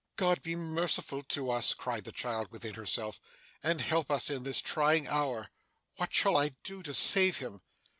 'God be merciful to us!' cried the child within herself, 'and help us in this trying hour! What shall I do to save him!